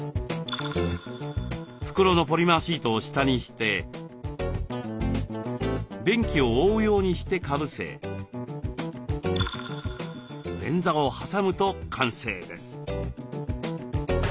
袋のポリマーシートを下にして便器を覆うようにしてかぶせ便座をはさむと完成です。